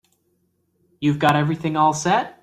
You've got everything all set?